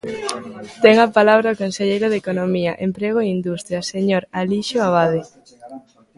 Ten a palabra o conselleiro de Economía, Emprego e Industria, señor Alixo Abade.